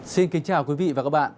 xin kính chào quý vị và các bạn